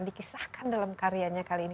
dikisahkan dalam karyanya kali ini